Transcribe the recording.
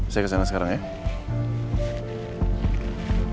saya kesana sekarang ya